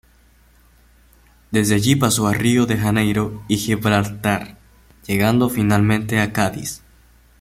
Desde allí pasó a Río de Janeiro y Gibraltar, llegando finalmente a Cádiz.